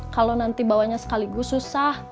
kalau nanti bawanya sekaligus susah